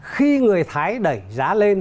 khi người thái đẩy giá lên